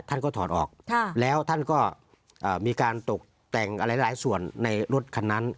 ท่านก็ถอดออกแล้วท่านก็มีการตกแต่งอะไรหลายส่วนในรถคันนั้น